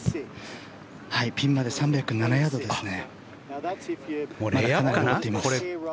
ピンまで３０７ヤードですね。